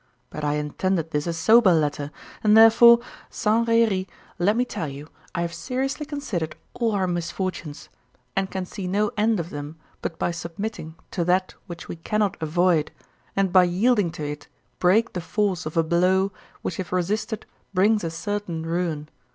But I intended this a sober letter, and therefore, sans raillerie, let me tell you, I have seriously considered all our misfortunes, and can see no end of them but by submitting to that which we cannot avoid, and by yielding to it break the force of a blow which if resisted brings a certain ruin.